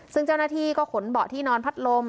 ซึ่งเจ้าหน้าที่ก็ขนเบาะที่นอนพัดลม